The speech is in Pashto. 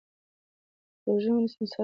که روژه ونیسو نو صحت نه خرابیږي.